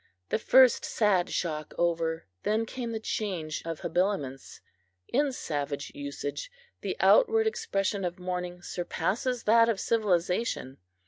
The first sad shock over, then came the change of habiliments. In savage usage, the outward expression of mourning surpasses that of civilization.